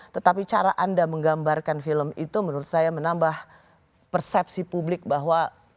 tetapi cara anda menggambarkan film itu menurut saya menambah persepsi publik bahwa